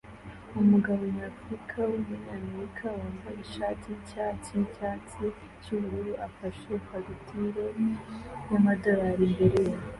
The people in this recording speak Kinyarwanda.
Umugabo nyafrica wumunyamerika wambaye ishati yicyatsi nicyatsi cyubururu afashe fagitire y amadorari imbere ye